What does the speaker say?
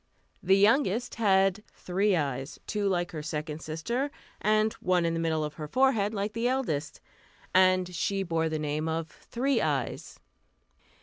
The youngest had three eyes, two like her second sister, and one in the middle of her forehead, like the eldest, and she bore the name of "Three Eyes."